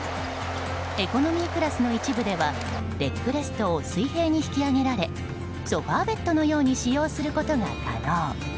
エコノミークラスの一部ではレッグレストを水平に引き上げられソファベッドのように使用することが可能。